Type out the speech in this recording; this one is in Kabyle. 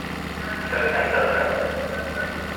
Fakkent-aɣ-ten.